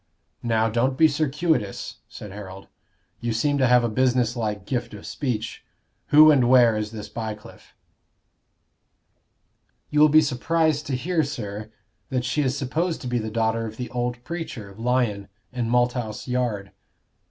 "Now, don't be circuitous," said Harold. "You seem to have a business like gift of speech. Who and where is this Bycliffe?" "You will be surprised to hear, sir, that she is supposed to be the daughter of the old preacher, Lyon, in Malthouse Yard."